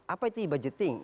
apa itu e budgeting